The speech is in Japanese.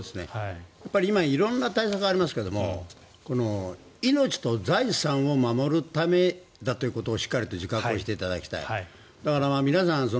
今、色んな対策がありますが命と財産を守るためだということをしっかり自覚していただきたい。